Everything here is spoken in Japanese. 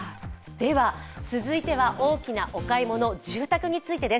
続いては大きなお買い物、住宅についてです。